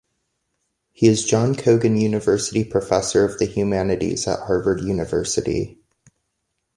He is John Cogan University Professor of the Humanities at Harvard University.